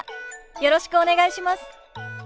よろしくお願いします。